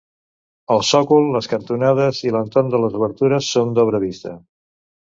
El sòcol, les cantonades i l'entorn de les obertures són d'obra vista.